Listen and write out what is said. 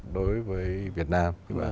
đối với việt nam